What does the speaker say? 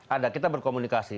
ada kita berkomunikasi